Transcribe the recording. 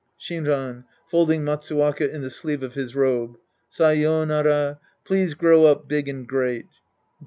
Shinran {folding Matsuwaka in the sleeve of his robe). Say5nara. Please grow up big and great.